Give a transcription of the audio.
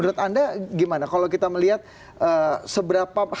oke kalau misalnya pak yani menurut anda gimana kalau kita melihat seberapa komunikasi